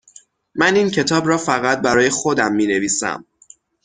من این کتاب را فقط برای خودم می نویسم